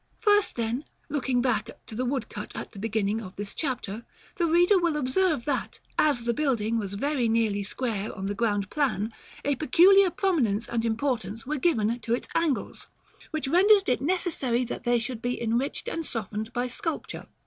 § XXXI. First, then, looking back to the woodcut at the beginning of this chapter, the reader will observe that, as the building was very nearly square on the ground plan, a peculiar prominence and importance were given to its angles, which rendered it necessary that they should be enriched and softened by sculpture.